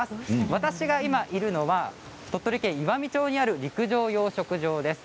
私が今いるのは鳥取県岩美町にある陸上養殖場です。